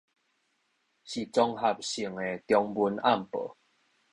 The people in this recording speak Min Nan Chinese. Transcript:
是綜合性的中文暗報